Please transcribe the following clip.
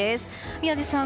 宮司さん